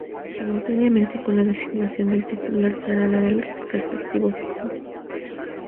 Simultáneamente con la designación del titular se hará la del respectivo suplente.